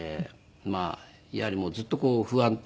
まあやはりもうずっとこう不安と。